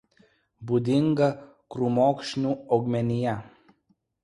Būdinga krūmokšnių augmenija.